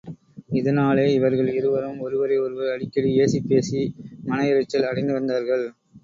இதனாலே இவர்கள் இருவரும் ஒருவரை ஒருவர் அடிக்கடி ஏசிப்பேசி மன எரிச்சல் அடைந்து வந்தார்கள்.